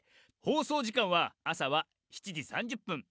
放送時間は、朝は７時３０分。